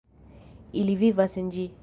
Ili vivas en ĝi.